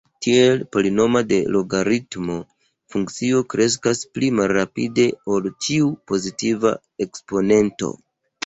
Tiel, polinoma de logaritmo funkcio kreskas pli malrapide ol ĉiu pozitiva eksponento.